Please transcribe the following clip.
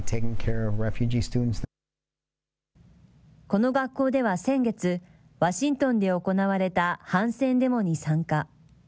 この学校では先月、ワシントンで行われた反戦デモに参加。